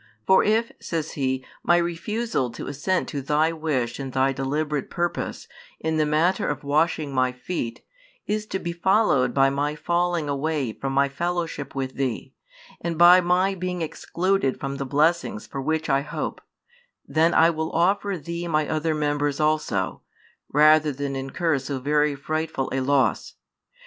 For if, says he, my refusal to assent to Thy wish and Thy deliberate purpose, in the matter of washing my feet, is to be followed by my falling away from my fellowship with Thee, and by my being excluded from the blessings for which I hope; then I will offer Thee my other members also, rather than incur so very frightful a loss.